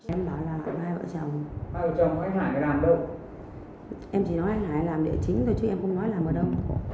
em chỉ nói anh hải làm địa chính thôi chứ em không nói làm ở đâu